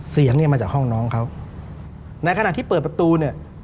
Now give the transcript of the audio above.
เสียงเนี่ยมาจากห้องน้องเขาในขณะที่เปิดประตูเนี่ย